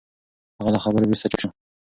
هغه له خبرو وروسته چوپ شو.